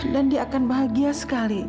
dan dia akan bahagia sekali